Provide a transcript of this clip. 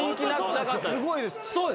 すごいです。